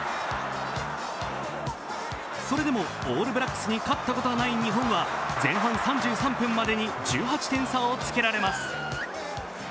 それでもオールブラックスに勝ったことがない日本は前半３３分までに１８点差をつけられます。